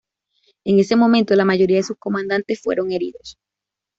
En ese momento, la mayoría de sus comandantes fueron heridos.